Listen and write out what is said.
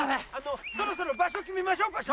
そろそろ場所を決めましょう。